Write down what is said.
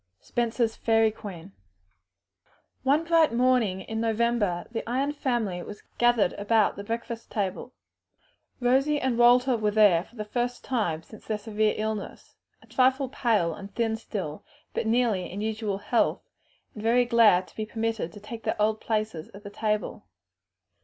Spenser's "Fairy Queen." One bright morning in November the Ion family were gathered about the breakfast table. Rosie and Walter were there for the first time since their severe illness, a trifle pale and thin still, but nearly in usual health, and very glad to be permitted to take their old places at the table.